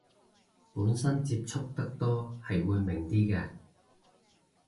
本身接觸得多係會明啲嘅